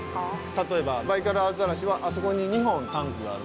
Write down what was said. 例えばバイカルアザラシはあそこに２本タンクがある。